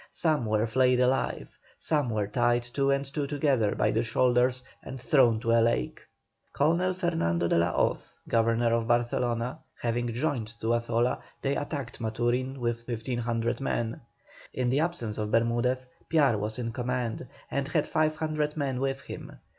Some were flayed alive, some were tied two and two together by the shoulders and thrown into a lake. Colonel Fernandez de la Hoz, governor of Barcelona, having joined Zuazola, they attacked Maturin with 1,500 men. In the absence of Bermudez, Piar was in command, and had 500 men with him.